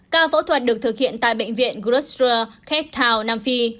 ca phẫu thuật được thực hiện tại bệnh viện grosstra cape town nam phi